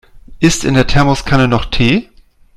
Ist in der Thermoskanne noch Tee?